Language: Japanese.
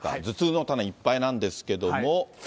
頭痛のタネ、いっぱいなんですけども。